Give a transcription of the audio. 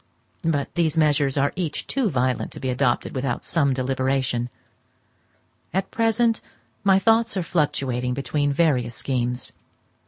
But these measures are each too violent to be adopted without some deliberation; at present my thoughts are fluctuating between various schemes.